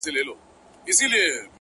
ځوان خپل څادر پر سر کړ”